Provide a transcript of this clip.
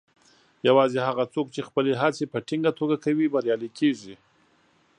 یوازې هغه څوک چې خپلې هڅې په ټینګه توګه کوي، بریالي کیږي.